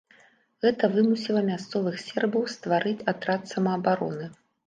Гэта вымусіла мясцовых сербаў стварыць атрад самаабароны.